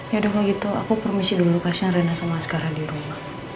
yaudah kak gitu aku permisi dulu kasih rina sama asqara di rumah